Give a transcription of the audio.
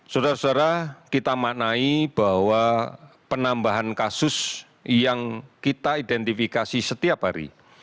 saudara saudara kita maknai bahwa penambahan kasus yang kita identifikasi setiap hari